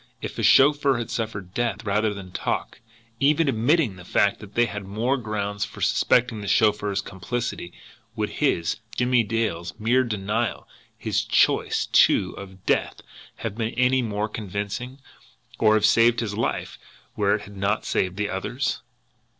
If the chauffeur had suffered death rather than talk, even admitting the fact that they had more grounds for suspecting the chauffeur's complicity, would his, Jimmie Dale's, mere denial, his choice, too, of death, have been any the more convincing, or have saved his life where it had not saved the other's?